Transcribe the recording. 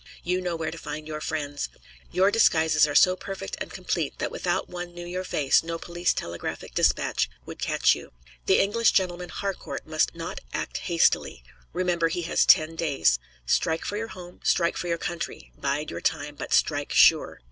You know where to find your friends. Your disguises are so perfect and complete that without one knew your face no police telegraphic dispatch would catch you. The English gentleman "Harcourt" must not act hastily. Remember he has ten days. Strike for your home, strike for your country; bide your time, but strike sure.